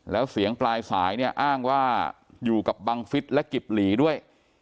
แล้วเสียงปลายสายเนี่ยอ้างว่าอยู่กับบังฟิศและกิบหลีด้วย